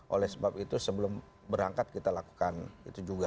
oleh sebab itu sebelum berangkat kita lakukan itu juga